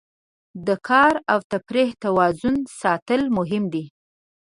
د کار او تفریح توازن ساتل مهم دي.